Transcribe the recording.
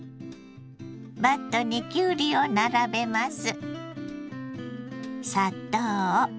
バットにきゅうりを並べます。